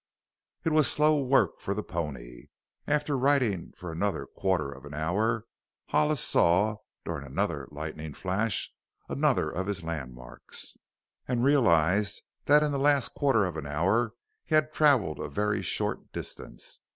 It was slow work for the pony. After riding for another quarter of an hour Hollis saw, during another lightning flash, another of his landmarks, and realized that in the last quarter of an hour he had traveled a very short distance.